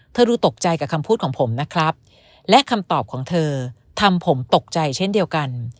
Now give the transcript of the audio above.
ดูตกใจกับคำพูดของผมนะครับและคำตอบของเธอทำผมตกใจเช่นเดียวกัน